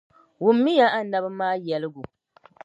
wummiya anabi maa yɛligu.